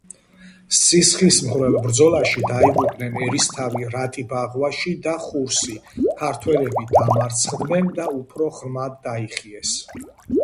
სისხლისმღვრელ ბრძოლაში დაიღუპნენ ერისთავი რატი ბაღვაში და ხურსი, ქართველები დამარცხდნენ და უფრო ღრმად დაიხიეს.